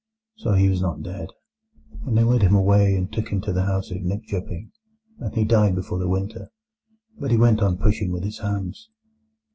So he was not dead. And they led him away, and took him to the house at Nykjoping, and he died before the winter; but he went on pushing with his hands.